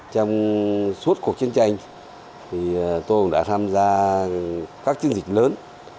trong suốt cuộc chiến tranh thì tôi cũng đã tham gia các chiến dịch lớn